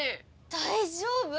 大丈夫？